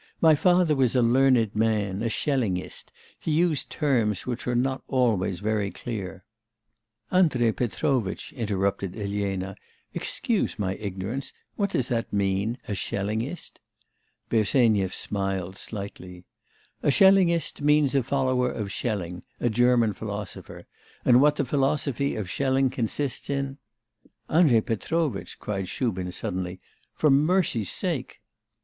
My father was a learned man, a Schellingist; he used terms which were not always very clear ' 'Andrei Petrovitch,' interrupted Elena, 'excuse my ignorance, what does that mean, a Schellingist?' Bersenyev smiled slightly. 'A Schellingist means a follower of Schelling, a German philosopher; and what the philosophy of Schelling consists in ' 'Andrei Petrovitch!' cried Shubin suddenly, 'for mercy's sake!